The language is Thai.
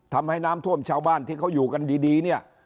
ทำให้น้ำท่วมชาวบ้านที่เขาอยู่กันดีเนี่ย